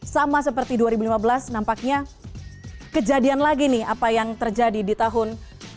sama seperti dua ribu lima belas nampaknya kejadian lagi nih apa yang terjadi di tahun dua ribu dua puluh